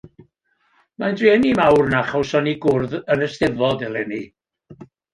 Mae'n drueni mawr na chawsom ni gwrdd yn y Steddfod eleni.